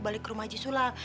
balik ke rumah haji sulam